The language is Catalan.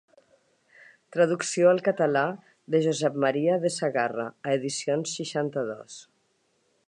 Traducció al català de Josep Maria de Sagarra a Edicions seixanta-dos.